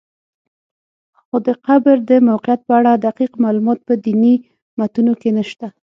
خو د قبر د موقعیت په اړه دقیق معلومات په دیني متونو کې نشته.